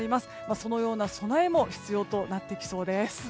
そのような備えも必要となってきそうです。